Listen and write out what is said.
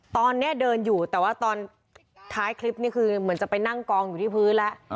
ตอนนี้เดินอยู่แต่ว่าตอนท้ายคลิปนี่คือเหมือนจะไปนั่งกองอยู่ที่พื้นแล้ว